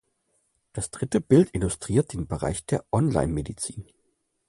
Das dritte Bild illustriert den Bereich der Online-Medizin.